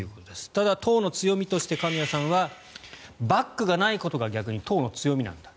ただ党の強みとして神谷さんはバックがないことが逆に党の強みなんだ